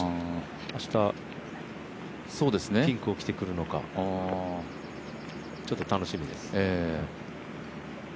明日、ピンクを着てくるのかちょっと楽しみです。